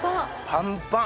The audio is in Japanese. パンパン。